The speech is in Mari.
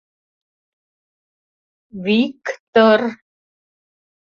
— В-вик-тыр...